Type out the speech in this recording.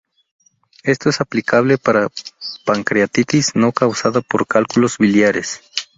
Esto es aplicable para pancreatitis no causada por cálculos biliares.